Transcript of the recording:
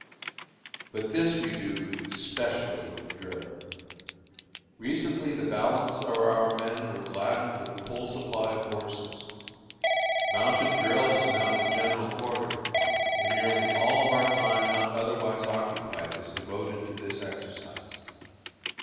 But this we do specially in the drill. Recently the balance of our men were gladdened with a full supply of horses. Mounted drill is now the general order, and nearly all our time not otherwise occupied is devoted to this exercise.